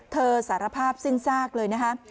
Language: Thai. สารภาพสิ้นซากเลยนะคะ